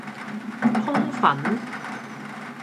通粉